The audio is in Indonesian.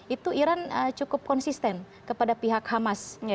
itu iran cukup konsisten kepada pihak hamas